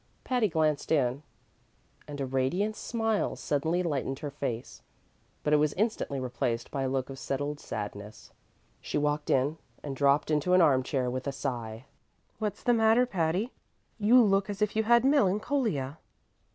Patty glanced in, and a radiant smile suddenly lightened her face, but it was instantly replaced by a look of settled sadness. She walked in and dropped into an arm chair with a sigh. "What's the matter, Patty? You look as if you had melancholia."